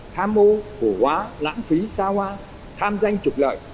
tham mô cổ hóa lãng phí xa hoa tham danh trục lợi